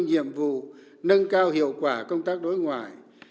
nhiệm vụ nâng cao hiệu quả công tác đối ngoại